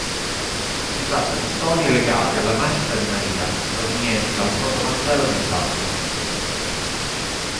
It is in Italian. Si tratta di storie legate alla nascita di Maria, provenienti dal Protovangelo di Giacomo.